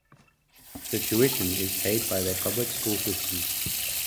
The tuition is paid by their public school system.